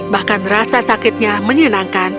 bahkan rasa sakitnya menyenangkan